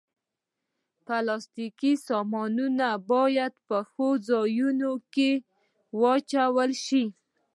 پلاستيکي سامانونه باید په ښو ځایونو کې واچول شي.